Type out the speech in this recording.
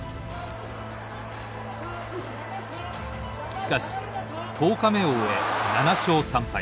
しかし十日目を終え７勝３敗。